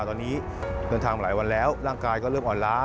ตอนนี้เดินทางมาหลายวันแล้วร่างกายก็เริ่มอ่อนล้า